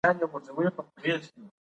کمپیوټر ډیر اړین مضمون دی